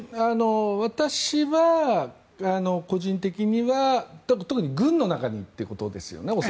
私は個人的には特に軍の中にということですよね。